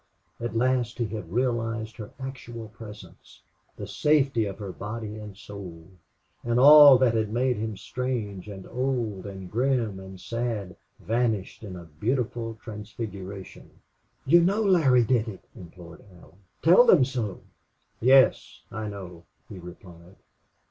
At last he had realized her actual presence, the safety of her body and soul; and all that had made him strange and old and grim and sad vanished in a beautiful transfiguration. "You know Larry did it!" implored Allie. "Tell them so." "Yes, I know," he replied.